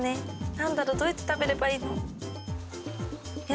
何だろうどうやって食べればいいの？